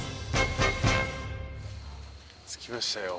着きましたよ。